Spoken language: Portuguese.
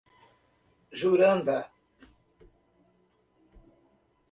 Juranda